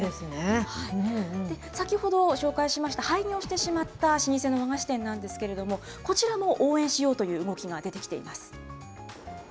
先ほど紹介しました廃業してしまった老舗の和菓子店なんですけれども、こちらも応援しようという動きが出てきています。